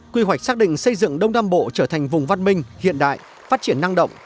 quy hoạch xác định xây dựng đông nam bộ trở thành vùng văn minh hiện đại phát triển năng động